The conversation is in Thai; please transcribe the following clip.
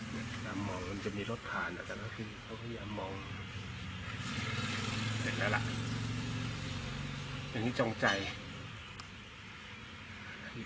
มันจะมีรถผ่านแล้วนะครับพี่ก็อย่ามองเห็นแล้วล่ะอย่างนี้จังใจ